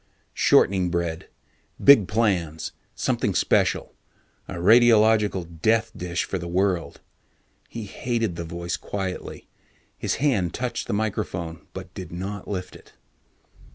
Shortening bread big plans, something special, a radiological death dish for the world. He hated the voice quietly. His hand touched the microphone but did not lift it.